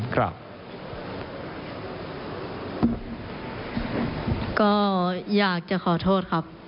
ครับ